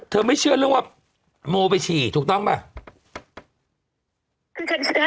ไม่เชื่อเรื่องว่าโมไปฉี่ถูกต้องป่ะ